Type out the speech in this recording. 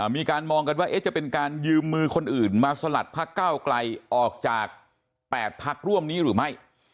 มีการมองกันว่าจะเป็นการยืมมือคนอื่นมาสลัดพักเก้าไกลออกจาก๘พักร่วมนี้หรือไม่